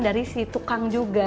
dari si tukang juga